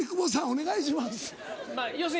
お願いします。